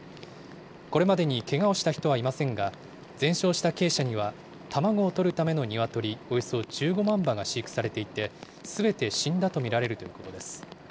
これまでにけがをした人はいませんが、全焼した鶏舎には、卵を採るためのニワトリ、およそ１５万羽が飼育されていて、すべて死んだと見られるということです。